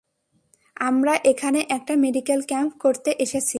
আমরা এখানে একটা মেডিকেল ক্যাম্প করতে এসেছি।